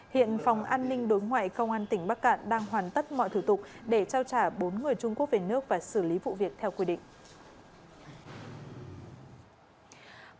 hiện phòng an ninh đối ngoại công an tỉnh bắc cạn đang hoàn tất mọi thủ tục để trao trả bốn người trung quốc về nước và xử lý vụ việc theo quy định